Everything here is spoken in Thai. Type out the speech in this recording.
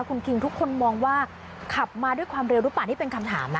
คุณคิงทุกคนมองว่าขับมาด้วยความเร็วหรือเปล่านี่เป็นคำถามนะ